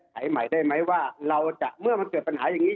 หายใหม่ได้ไหมว่าเราจะเมื่อมันเกิดปัญหาอย่างนี้